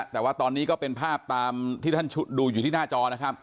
แต่ว่าตอนนี้ก็เป็นภาพตามที่ท่านดูอยู่ที่หน้าจอนะครับ